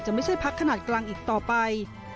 ไม่ใช่พักขนาดกลางอีกต่อไป